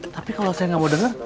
tapi kalau saya gak mau denger